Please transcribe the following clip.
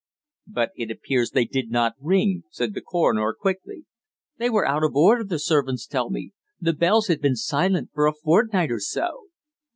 "But it appears they did not ring," said the coroner, quickly. "They were out of order, the servants tell me. The bells had been silent for a fortnight or so."